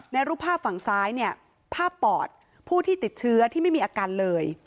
รูปภาพฝั่งซ้ายเนี่ยภาพปอดผู้ที่ติดเชื้อที่ไม่มีอาการเลย